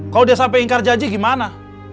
kalau dia sampai ingkar janji gimana